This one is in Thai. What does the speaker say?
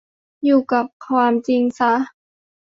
อยู่กับความจริงซะ